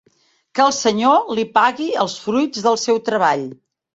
Que el Senyor li pagui els fruits del seu treball.